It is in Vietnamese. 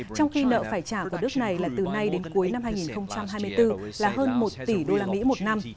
trong khi nợ phải trả của nước này là từ nay đến cuối năm hai nghìn hai mươi bốn là hơn một tỷ usd một năm